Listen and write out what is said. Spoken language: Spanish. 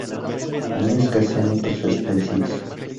No escasean otras especies.